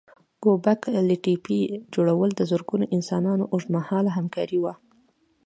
ګوبک لي تپې جوړول د زرګونو انسانانو اوږد مهاله همکاري وه.